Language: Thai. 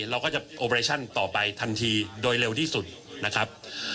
เราก็จะโอเรชั่นต่อไปทันทีโดยเร็วที่สุดนะครับ